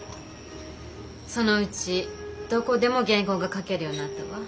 そのうちどこでも原稿が書けるようになったわ。